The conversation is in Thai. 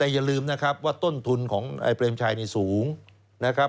แต่อย่าลืมนะครับว่าต้นทุนของนายเปรมชัยนี่สูงนะครับ